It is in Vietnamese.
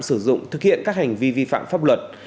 sử dụng thực hiện các hành vi vi phạm pháp luật